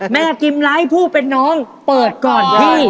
แม่กิ้มไล่ผู้เป็นน้องเปิดก่อนพี่